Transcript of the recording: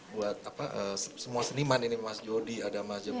buat apa semua seniman ini mas jody ada majemur